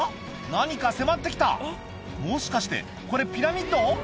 何か迫って来たもしかしてこれピラミッド？